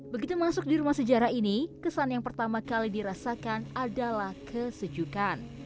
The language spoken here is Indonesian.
begitu masuk di rumah sejarah ini kesan yang pertama kali dirasakan adalah kesejukan